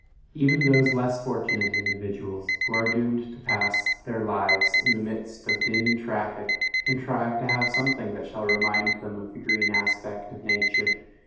Even those less fortunate individuals, who are doomed to pass their lives in the midst of din and traffic, contrive to have something that shall remind them of the green aspect of nature.